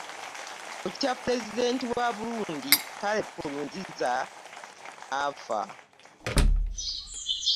Bukya Pulezidenti wa Burundi Pierre Nkurunziza afa